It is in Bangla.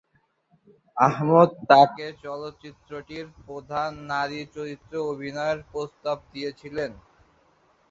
আহমেদ তাকে চলচ্চিত্রটির প্রধান নারী চরিত্রে অভিনয়ের প্রস্তাব দিয়েছিলেন।